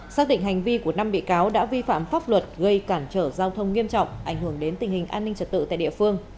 xác định hành vi của năm bị cáo đã vi phạm pháp luật gây cản trở giao thông nghiêm trọng ảnh hưởng đến tình hình an ninh trật tự tại địa phương